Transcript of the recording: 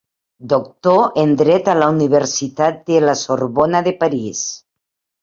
Doctor en Dret a la Universitat de la Sorbona de París.